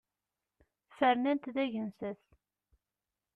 Fernen-t d agensas.